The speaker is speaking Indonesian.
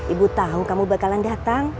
ibu tahu kamu bakalan datang